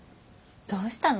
どうしたの？